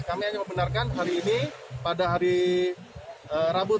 kami hanya membenarkan hari ini pada hari rambut